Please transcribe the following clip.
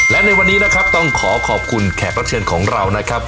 และในวันนี้นะครับต้องขอขอบคุณแขกรับเชิญของเรานะครับ